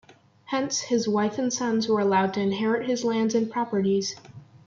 Hence, his wife and sons were allowed to inherit his lands and properties.